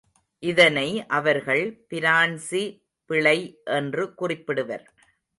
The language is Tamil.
இதனை அவர்கள் பிரான்ஸி பிளை என்று குறிப்பிடுவர்.